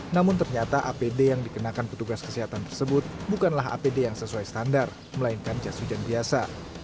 namun ternyata apd yang dikenakan petugas kesehatan tersebut bukanlah apd yang sesuai standar melainkan jas hujan biasa